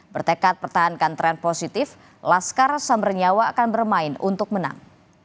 bertekad pertahankan tren positif laskar sambernyawa akan bermain untuk menang